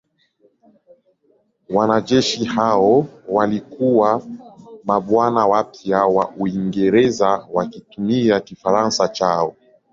Wanajeshi hao walikuwa mabwana wapya wa Uingereza wakitumia Kifaransa chao.